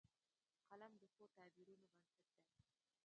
قلم د ښو تعبیرونو بنسټ دی